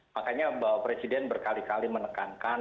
makanya bapak presiden berkali kali menekankan